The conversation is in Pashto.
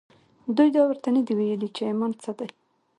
دوی دا ورته نه دي ويلي چې ايمان څه دی.